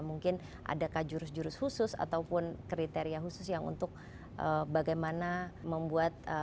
mungkin adakah jurus jurus khusus ataupun kriteria khusus yang untuk bagaimana membuat